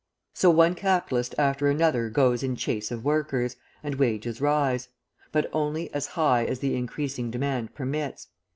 So one capitalist after another goes in chase of workers, and wages rise; but only as high as the increasing demand permits.